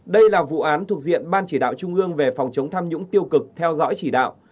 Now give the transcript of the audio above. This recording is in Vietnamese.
đây là vụ án thuộc diện ban chỉ đạo trung ương về phòng chống tham nhũng tiêu cực theo dõi chỉ đạo